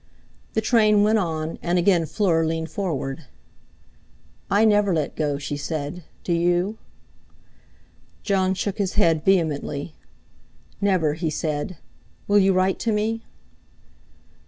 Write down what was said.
The train went on; and again Fleur leaned forward. "I never let go," she said; "do you?" Jon shook his head vehemently. "Never!" he said. "Will you write to me?"